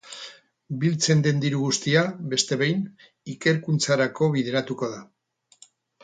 Biltzen den diru guztia, beste behin, ikerkuntzarako bideratuko da.